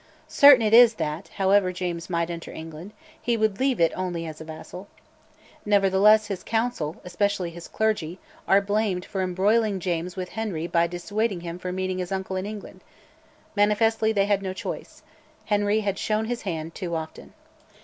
Certain it is that, however James might enter England, he would leave it only as a vassal. Nevertheless his Council, especially his clergy, are blamed for embroiling James with Henry by dissuading him from meeting his uncle in England. Manifestly they had no choice. Henry had shown his hand too often.